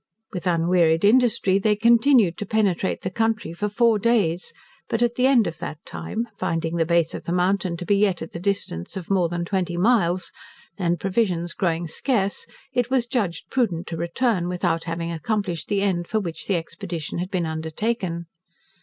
With unwearied industry they continued to penetrate the country for four days; but at the end of that time, finding the base of the mountain to be yet at the distance of more than twenty miles, and provisions growing scarce, it was judged prudent to return, without having accomplished the end for which the expedition had been undertaken.